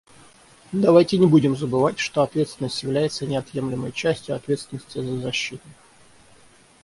Давайте не будем забывать, что ответственность является неотъемлемой частью ответственности за защиту.